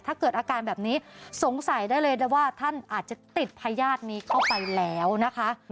ถ้าเกิดอาการแบบนี้สงสัยได้เลยนะว่าท่านอาจจะติดพญาตินี้เข้าไปแล้วนะคะ